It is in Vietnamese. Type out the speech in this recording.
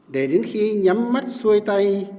để đến khi nhắm mắt xuôi tay